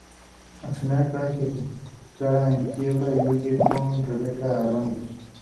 Al final, Clay se declara en quiebra y huye con Rebecca a Londres.